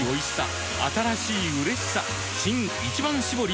新「一番搾り」